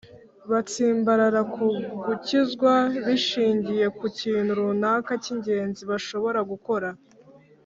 batsimbarara ku gukizwa bishingiye ku kintu runaka cy’ingenzi bashobora gukora